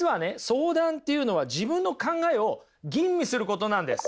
相談っていうのは自分の考えを吟味することなんです。